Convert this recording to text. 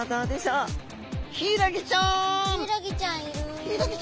ヒイラギちゃん！